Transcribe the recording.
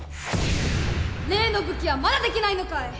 例の武器はまだできないのかい！？